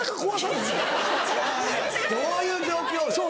どういう状況？